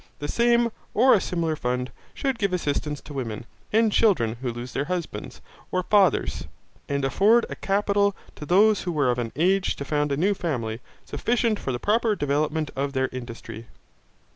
The same, or a similar fund, should give assistance to women and children who lose their husbands, or fathers, and afford a capital to those who were of an age to found a new family, sufficient for the proper development of their industry.